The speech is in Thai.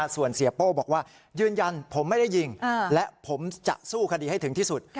ส่วนเสียโป้บอกว่ายืนยันผมไม่ได้ยิงและผมจะสู้คดีให้ถึงที่สุด